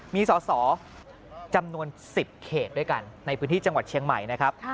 มีสอสอจำนวน๑๐เขตด้วยกันในพื้นที่จังหวัดเชียงใหม่นะครับ